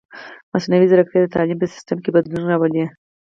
مصنوعي ځیرکتیا د تعلیم په سیستم کې بدلون راولي.